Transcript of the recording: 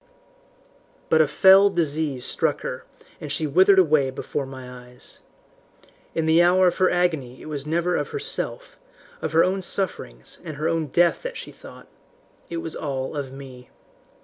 "But a fell disease struck her, and she withered away before my eyes. In the hour of her agony it was never of herself, of her own sufferings and her own death that she thought. It was all of me.